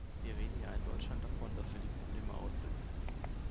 Wir reden ja in Deutschland davon, dass wir die Probleme aussitzen!